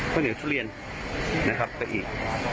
ข้าวเหนียวทุเรียนนะครับไปอีก